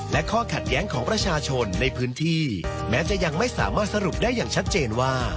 และข้อขัดแย้งของประชาชนในพื้นที่แม้จะยังไม่สามารถสรุปได้อย่างชัดเจนว่า